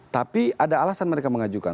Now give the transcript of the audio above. tapi ada alasan mereka mengajukan